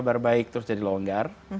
kabar baik terus jadi longgar